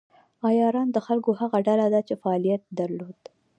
عیاران د خلکو هغه ډله ده چې فعالیت درلود.